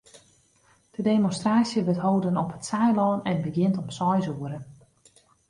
De demonstraasje wurdt hâlden op it Saailân en begjint om seis oere.